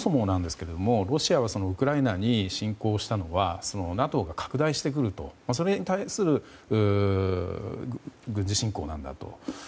そもそもロシアはウクライナに侵攻したのはＮＡＴＯが拡大してくるとそれに対する特別軍事侵攻なんだと。